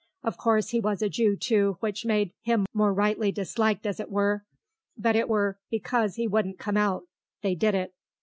Of course 'e was a Jew, too, which made 'im more rightly disliked as it were; but it were because 'e wouldn't come out they did it.